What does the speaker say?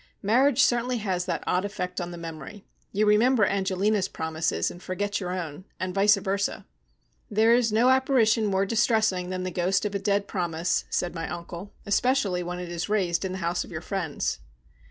Marriage certainly has that odd effect on the memory. You remember Angelina's promises and forget your own, and vice versa." "There is no apparition more distressing than the ghost of a dead promise," said my uncle. "Especially when it is raised in the house of your friends."